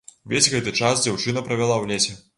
Увесь гэты час дзяўчына правяла ў лесе.